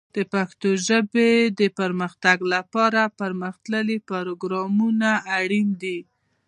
د پښتو ژبې د پرمختګ لپاره پرمختللي پروګرامونه اړین دي.